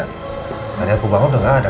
dari aku bangun udah gak ada